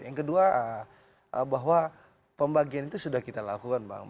yang kedua bahwa pembagian itu sudah kita lakukan bang